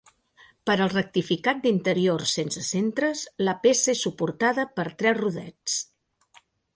Per al rectificat d'interiors sense centres la peça és suportada per tres rodets.